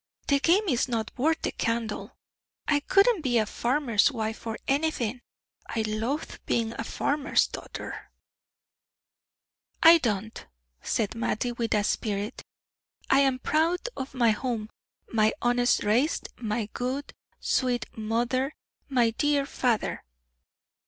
The game is not worth the candle. I wouldn't be a farmer's wife for anything. I loathe being a farmer's daughter." "I don't," said Mattie, with spirit. "I'm proud of my home, my honest race, my good, sweet mother, my dear father."